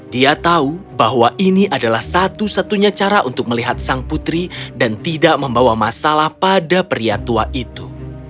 dia tahu bahwa ini adalah satu satunya cara untuk melihat sang putri dan tidak membawa masalah pada pria tua itu